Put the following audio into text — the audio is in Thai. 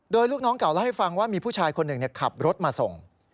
โดยลูกน้องเก่าเล่าให้ฟังว่ามีผู้ชายคนหนึ่งขับรถมาส่ง